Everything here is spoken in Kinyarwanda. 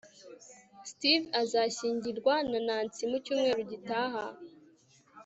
steve azashyingirwa na nancy mu cyumweru gitaha